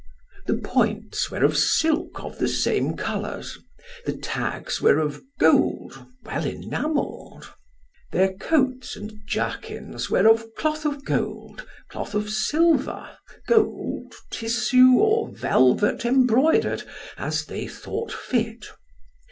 The points were of silk of the same colours; the tags were of gold well enamelled. Their coats and jerkins were of cloth of gold, cloth of silver, gold, tissue or velvet embroidered, as they thought fit.